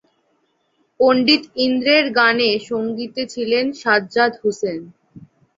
পণ্ডিত ইন্দ্রের গানে সংগীতে ছিলেন সাজ্জাদ হুসেন।